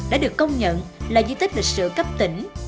đã được công nhận là di tích lịch sử cấp tỉnh